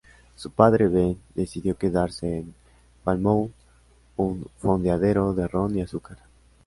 Su padre, Ben, decidió quedarse en Falmouth, un fondeadero de ron y azúcar.